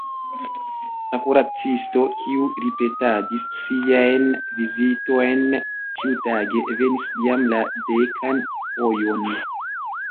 La kuracisto, kiu ripetadis siajn vizitojn ĉiutage, venis jam la dekan fojon.